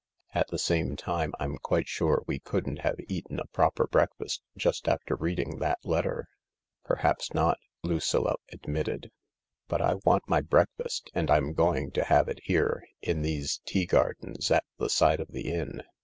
At the same time, I'm quite sure we couldn't have eaten a proper breakfast just after reading that letter." " Perhaps not," Lucilla admitted, " but I want my break fast, and I'm going to have it here — in these tea gardens at the side of the inn."